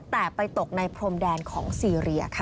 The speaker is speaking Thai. แต่ไปตกในพรมแดนของซีเรียค่ะ